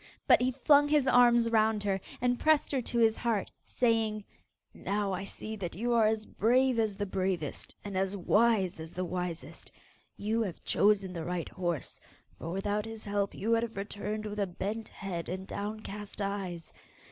But he flung his arms round her and pressed her to his heart saying, 'Now I see that you are as brave as the bravest, and as wise as the wisest. You have chosen the right horse, for without his help you would have returned with a bent head and downcast eyes.